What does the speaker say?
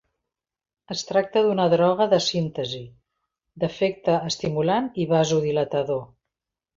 Es tracta d'una droga de síntesi, d'efecte estimulant i vasodilatador.